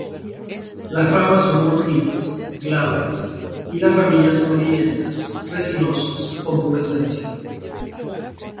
Las ramas son rojizas, glabras, y las ramillas amarillentas, resinosas, con pubescencia.